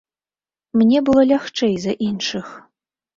Мне было лягчэй за іншых.